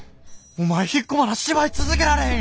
お前引っ込まな芝居続けられへんやんか！